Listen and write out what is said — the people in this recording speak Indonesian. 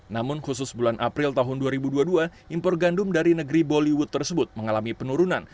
namun khusus bulan april tahun dua ribu dua puluh dua impor gandum dari negeri bollywood tersebut mengalami penurunan